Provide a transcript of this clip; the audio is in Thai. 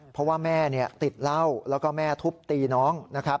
เพราะว่าแม่ติดเหล้าแล้วก็แม่ทุบตีน้องนะครับ